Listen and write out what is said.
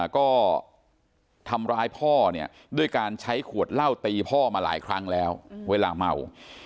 ก็ทำร้ายพ่อเนี่ยด้วยการใช้ขวดเหล้าตีพ่อมาหลายครั้งแล้วเวลาเมา